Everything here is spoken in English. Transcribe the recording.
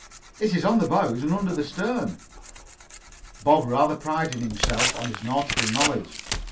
"It is on the bows and under the stern." Bob rather prided himself on this nautical knowledge.